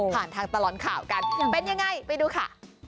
ทางตลอดข่าวกันเป็นยังไงไปดูค่ะ